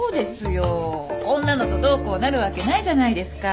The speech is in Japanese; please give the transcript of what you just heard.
こんなのとどうこうなるわけないじゃないですか。